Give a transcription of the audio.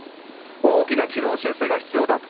大きな軌道修正が必要だと。